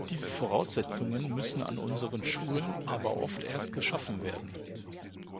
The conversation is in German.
Diese Voraussetzungen müssen an unseren Schulen aber oft erst geschaffen werden.